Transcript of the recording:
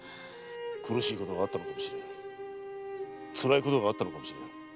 苦しいことがあったのかもしれん辛いことがあったのかもしれん。